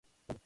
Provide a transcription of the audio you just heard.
Su álbum.